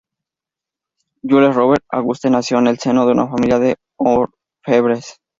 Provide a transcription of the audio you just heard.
Jules Robert Auguste nació en el seno de una familia de orfebres.